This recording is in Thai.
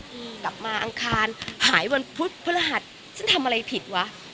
กลับมาอังคารหายวันพุธพฤหัสฉันทำอะไรผิดวะ